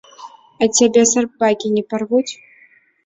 А цябе сабакі не парвуць?